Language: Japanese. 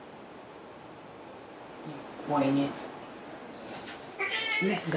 怖いね。